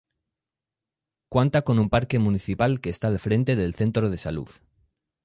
Cuanta con un parque municipal que está al frente del Centro de Salud.